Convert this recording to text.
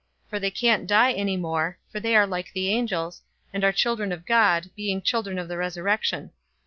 020:036 For they can't die any more, for they are like the angels, and are children of God, being children of the resurrection.